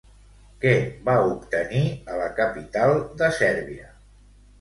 Què va obtenir a la capital de Sèrbia?